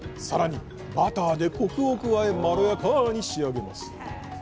更にバターでコクを加えまろやかに仕上げます。